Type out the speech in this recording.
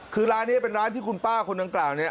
คือร้านนี้เป็นร้านที่คุณป้าคนดังกล่าวเนี่ย